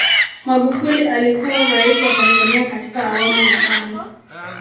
magufuli alikuwa rais wa tanzania katika awamu ya tano